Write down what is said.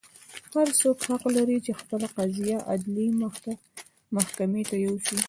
هر څوک حق لري چې خپله قضیه عدلي محکمې ته یوسي.